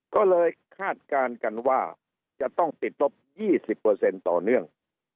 ก็เลยคาดการณ์กันว่าจะต้องติดลบ๒๐ต่อเนื่อง